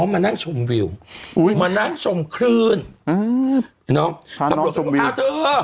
อ๋อมานั่งชมวิวอุ้ยมานั่งชมคลื่นอื้อเนอะพาน้องชมวิวอ้าวเธอ